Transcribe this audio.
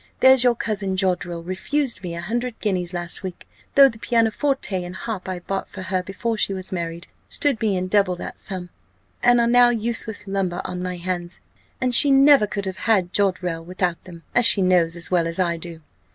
There's your cousin Joddrell refused me a hundred guineas last week, though the piano forte and harp I bought for her before she was married stood me in double that sum, and are now useless lumber on my hands; and she never could have had Joddrell without them, as she knows as well as I do.